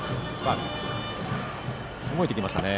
動いてきましたね。